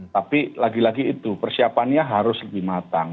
tapi lagi lagi itu persiapannya harus lebih matang